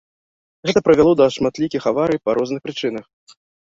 Гэта прывяло да шматлікіх аварый па розных прычынах.